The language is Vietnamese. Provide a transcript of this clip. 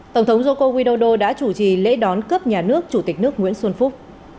tổng thống joko widodo đã chủ trì lễ đón cấp nhà nước chủ tịch nước nguyễn xuân phúc